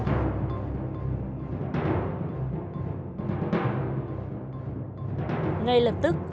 ngay lập tức